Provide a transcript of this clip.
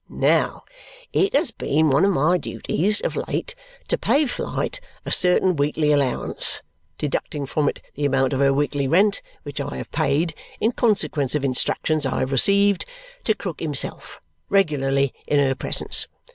Now it has been one of my duties of late to pay Flite a certain weekly allowance, deducting from it the amount of her weekly rent, which I have paid (in consequence of instructions I have received) to Krook himself, regularly in her presence.